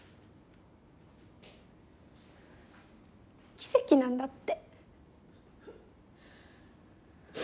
奇跡なんだって。